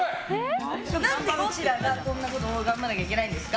なんでこんなこと頑張らなきゃいけないんですか。